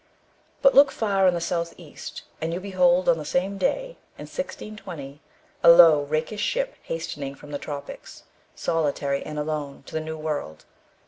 But look far in the South east, and you behold on the same day, in 1620, a low rakish ship hastening from the tropics, solitary and alone, to the New World.